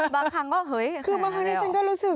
บางครั้งก็เฮ้ยคือบางครั้งที่ฉันก็รู้สึก